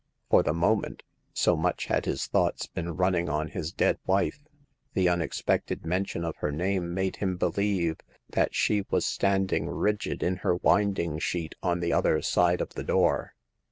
For the moment, — so much had his thoughts been run ning on the dead wife, — the unexpected mention of her name made him believe that she was standing rigid in her winding sheet on the other side of the door.